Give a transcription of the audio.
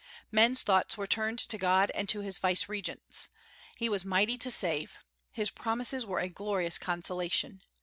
Men's thoughts were turned to God and to his vicegerents. He was mighty to save. His promises were a glorious consolation.